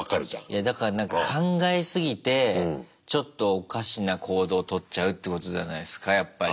いやだからなんか考え過ぎてちょっとおかしな行動取っちゃうっていうことじゃないですかやっぱり。